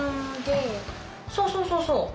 そうそうそうそう。